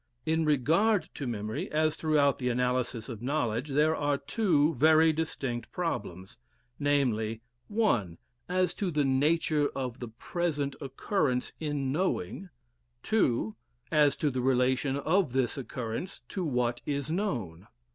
In regard to memory, as throughout the analysis of knowledge, there are two very distinct problems, namely (1) as to the nature of the present occurrence in knowing; (2) as to the relation of this occurrence to what is known.